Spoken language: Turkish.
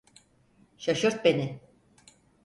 Şaşırt beni.